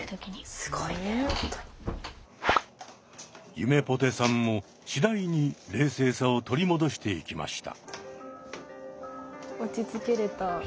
ゆめぽてさんも次第に冷静さを取り戻していきました。